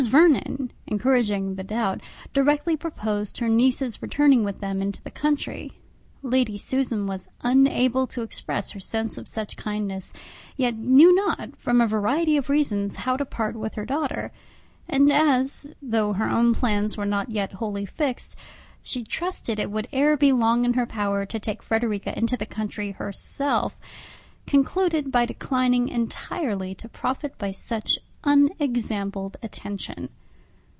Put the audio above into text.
Vernon, encouraging the doubt, directly proposed her niece's returning with them into the country. Lady Susan was unable to express her sense of such kindness, yet knew not, from a variety of reasons, how to part with her daughter; and as, though her own plans were not yet wholly fixed, she trusted it would ere long be in her power to take Frederica into the country herself, concluded by declining entirely to profit by such unexampled attention.